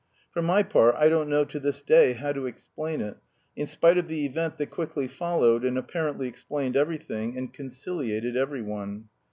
For my part I don't know to this day how to explain it, in spite of the event that quickly followed and apparently explained everything, and conciliated every one.